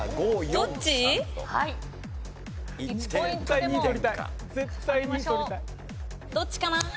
どっちかな？